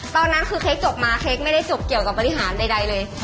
ตอนนั้นคือเค้กจบมาเค้กไม่ได้จบเกี่ยวกับบริหารใดเลย